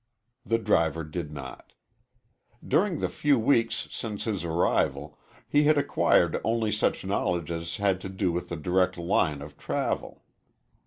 The driver did not. During the few weeks since his arrival he had acquired only such knowledge as had to do with his direct line of travel.